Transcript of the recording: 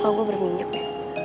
kayaknya muka gue bermunyuk ya